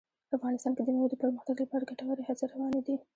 افغانستان کې د مېوو د پرمختګ لپاره ګټورې هڅې روانې دي.